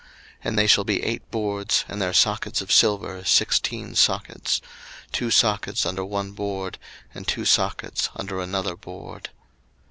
02:026:025 And they shall be eight boards, and their sockets of silver, sixteen sockets; two sockets under one board, and two sockets under another board.